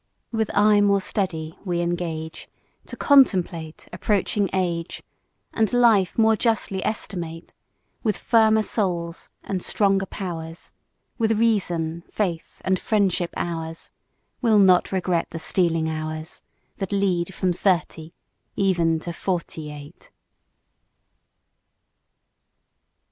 With eye more steady we engage To contemplate approaching age, And life more justly estimate; With firmer souls, and stronger powers, With reason, faith, and friendship ours, We'll not regret the stealing hours That lead from Thirty even to Forty eight.